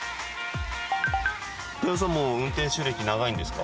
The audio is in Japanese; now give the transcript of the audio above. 遠山さんもう運転手歴長いんですか？